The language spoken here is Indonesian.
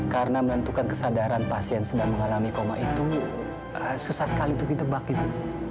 karena menentukan kesadaran pasien sedang mengalami koma itu susah sekali untuk ditebak ibu